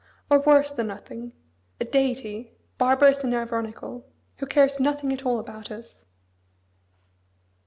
or worse than nothing a deity, barbarous and ironical, who cares nothing at all about us.